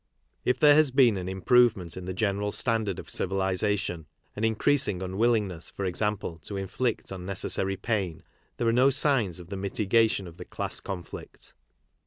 If there has been an improvement in the general standard of civilization, an increasing unwillingness, for example, to inflict unnecessary pain, there are no signs of the mitigation of the class conflict'.